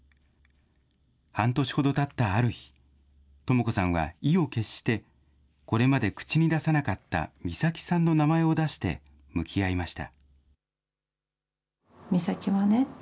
半年ほどたったある日、とも子さんは意を決して、これまで口に出さなかった美咲さんの名前を出して向き合いました。